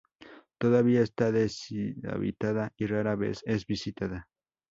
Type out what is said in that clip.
Todavía está deshabitada y rara vez es visitada.